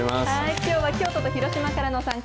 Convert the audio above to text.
きょうは京都と広島からの参加。